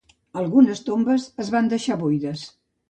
Algunes tombes es van deixar buides.